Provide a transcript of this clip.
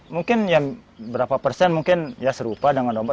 mungkin ya berapa persen mungkin ya serupa dengan domba